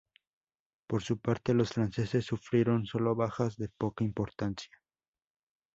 Por su parte los franceses sufrieron sólo bajas de poca importancia.